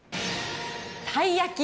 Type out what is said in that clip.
たい焼き。